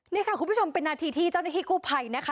นี่ค่ะคุณผู้ชมเป็นนาทีที่เจ้าหน้าที่กู้ภัยนะคะ